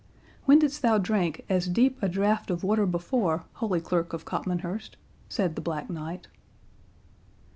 "When didst thou drink as deep a drought of water before, Holy Clerk of Copmanhurst?" said the Black Knight.